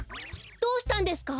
どうしたんですか？